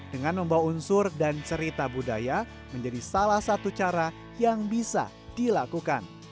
dengan membawa unsur dan cerita budaya menjadi salah satu cara yang bisa dilakukan